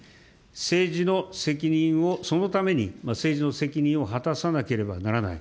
政治の責任を、そのために政治の責任を果たさなければならない。